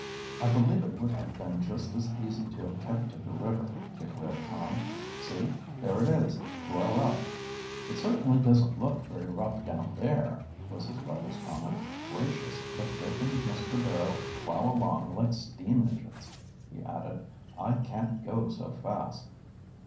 "I believe it would have been just as easy to have kept to the river," declared Tom "See, there it is, to our left." "It certainly doesn't look very rough down there," was his brother's comment. "Gracious, but Dick and Mr. Barrow plow along like steam engines!" he added. "I can't go so fast."